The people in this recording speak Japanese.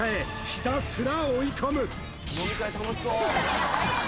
ひたすら追い込む！